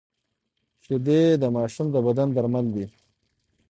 شیدې د ماشوم د بدن درمل دي